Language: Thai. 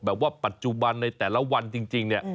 ปัจจุบันในแต่ละวันจริงเนี่ย